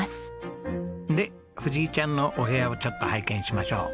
で藤井ちゃんのお部屋をちょっと拝見しましょう。